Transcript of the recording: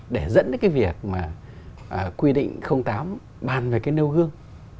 để dẫn đến cái việc mà quy định tám bàn về cái nêu gương